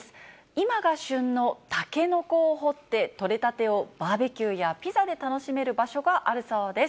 今が旬のタケノコを掘って、とれたてをバーベキューやピザで楽しめる場所があるそうです。